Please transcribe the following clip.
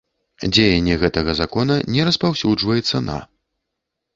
Дзеянне гэтага Закона не распаўсюджваецца на.